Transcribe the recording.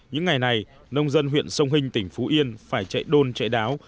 những ngày này nông dân huyện sông hinh tỉnh phú yên phải chạy đôn chạy đáo